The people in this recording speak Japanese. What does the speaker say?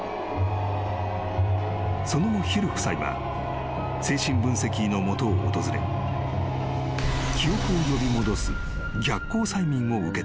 ［その後ヒル夫妻は精神分析医の元を訪れ記憶を呼び戻す逆行催眠を受けた］